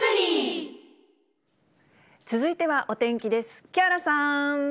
続いてはお天気です。